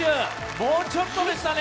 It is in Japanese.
もうちょっとでしたね。